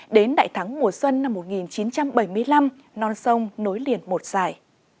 đến đại thắng mùa xuân năm một nghìn chín trăm bảy mươi năm non sông nối liền một dài